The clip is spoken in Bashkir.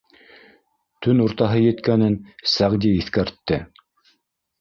Төн уртаһы еткәнен Сәғди иҫкәртте: